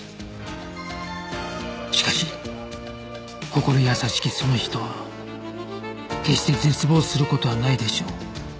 しかし心優しきその人は決して絶望する事はないでしょう